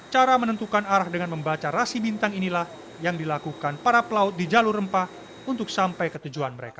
cara menentukan arah dengan membaca rasi bintang inilah yang dilakukan para pelaut di jalur rempah untuk sampai ke tujuan mereka